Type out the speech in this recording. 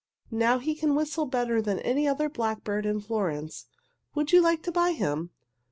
Now he can whistle better than any other blackbird in Florence. Would you like to buy him?"